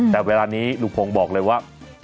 แต่เวลานี้ลุงพงศ์บอกเลยว่า